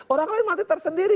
orang lain masih tersendiri